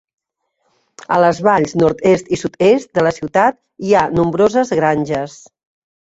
A les valls nord-est i sud-est de la ciutat hi ha nombroses granges.